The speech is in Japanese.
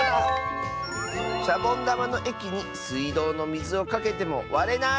「シャボンだまのえきにすいどうのみずをかけてもわれない！」。